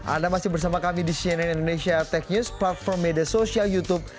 anda masih bersama kami di cnn indonesia tech news platform media sosial youtube